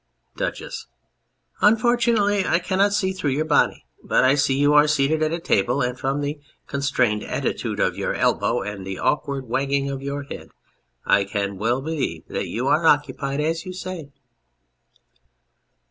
DUCHESS. Unfortunately I cannot see through your body, but I see you are seated at a table, and from the constrained attitude of your elbow and the awkward wagging of your head I can well believe that you are occupied as you say.